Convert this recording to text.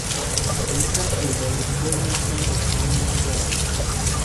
We tracked you by the pleasant scent of Canadian Club.